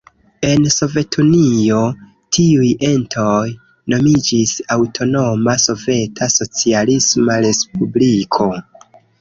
En Sovetunio tiuj entoj nomiĝis aŭtonoma soveta socialisma respubliko.